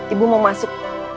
ibu mau masuk